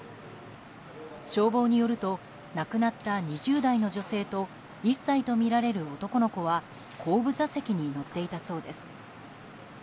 消防によると亡くなった２０代の女性と１歳とみられる男の子は後部座席に乗っていたそうです。